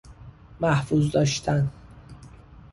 محفوظ داشتن